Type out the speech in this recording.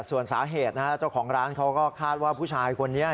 ส่วนสาเหตุนะฮะเจ้าของร้านเขาก็คาดว่าผู้ชายคนนี้